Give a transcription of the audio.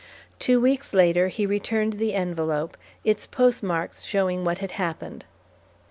Two weeks later he returned the envelope, its postmarks showing what had happened.